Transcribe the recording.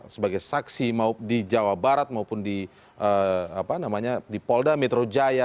sebagai saksi mau di jawa barat maupun di polda metro jaya